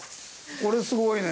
これすごいね。